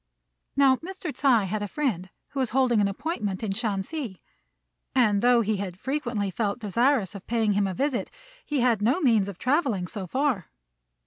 Now Mr. Ts'ui had a friend, who was holding an appointment in Shansi; and though he had frequently felt desirous of paying him a visit, he had no means of travelling so far.